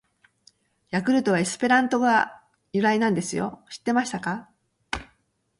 「ヤクルト」はエスペラント語が由来なんですよ！知ってましたか！！